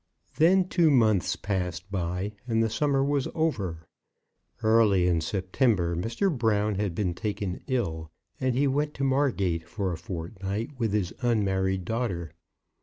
Then two months passed by, and the summer was over. Early in September Mr. Brown had been taken ill, and he went to Margate for a fortnight with his unmarried daughter.